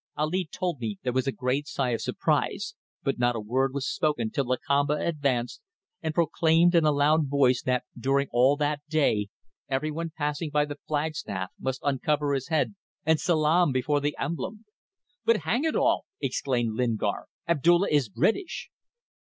Ali told me there was a great sigh of surprise, but not a word was spoken till Lakamba advanced and proclaimed in a loud voice that during all that day every one passing by the flagstaff must uncover his head and salaam before the emblem." "But, hang it all!" exclaimed Lingard "Abdulla is British!"